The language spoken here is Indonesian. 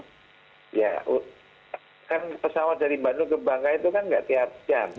ya kan pesawat dari bandung ke bangka itu kan nggak tiap jam